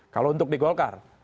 kalau untuk di golkar